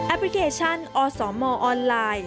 พลิเคชันอสมออนไลน์